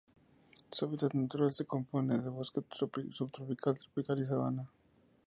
Su hábitat natural se compone de bosque subtropical, tropical y sabana.